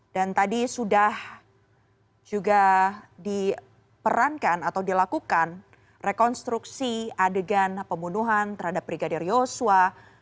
dan tadi sudah juga diperankan atau dilakukan rekonstruksi adegan pembunuhan terhadap brigadier joshua